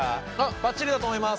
ばっちりだと思います。